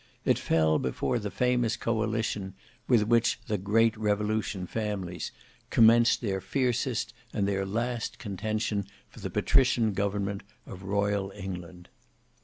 It fell before the famous Coalition with which "the Great Revolution families" commenced their fiercest and their last contention for the patrician government of royal England.